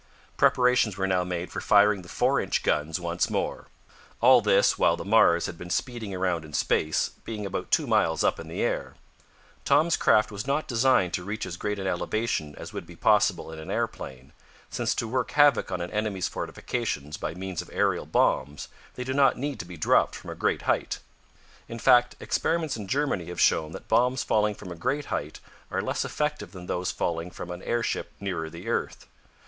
Preparations were now made for firing the four inch guns once more. All this while the Mars had been speeding around in space, being about two miles up in the air. Tom's craft was not designed to reach as great an elevation as would be possible in an aeroplane, since to work havoc to an enemy's fortifications by means of aerial bombs they do not need to be dropped from a great height. In fact, experiments in Germany have shown that bombs falling from a great height are less effective than those falling from an airship nearer the earth.